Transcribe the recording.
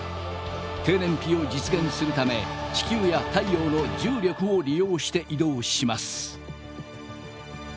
低燃費を実現するため地球や太陽の重力を利用して移動します。